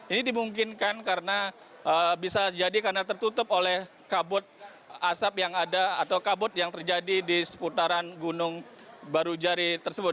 ini dimungkinkan karena bisa jadi karena tertutup oleh kabut asap yang ada atau kabut yang terjadi di seputaran gunung baru jari tersebut